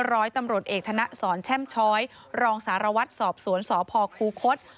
ร้อยตำรวจเอกธนสอนแช่มช้อยรองสารวัตรสอบสวนสพคูคศ